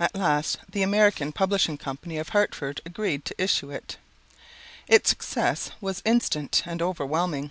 At last, the American Publishing Company of Hartford agreed to issue it. Its success was instant and overwhelming.